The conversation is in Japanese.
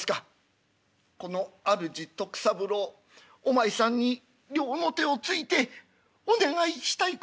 「このあるじ徳三郎お前さんに両の手をついてお願いしたいことがある。